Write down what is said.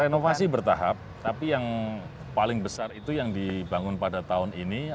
renovasi bertahap tapi yang paling besar itu yang dibangun pada tahun ini